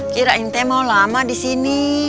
kira intiknya mau lama disini